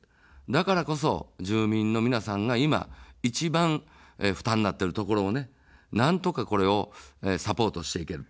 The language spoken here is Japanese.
だからこそ、住民の皆さんが今、一番負担になっているところをなんとかこれをサポートしていける。